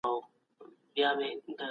د ښځو لپاره د امن کورونه شتون درلود.